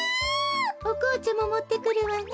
おこうちゃももってくるわね。